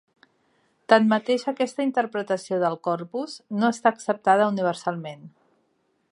Tanmateix, aquesta interpretació del corpus no està acceptada universalment.